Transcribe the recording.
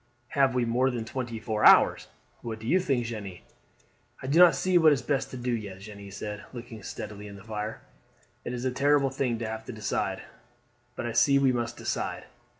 Have we more than twenty four hours? What do you think, Jeanne?" "I do not see what is best to do yet," Jeanne said, looking steadily in the fire. "It is a terrible thing to have to decide; but I see we must decide."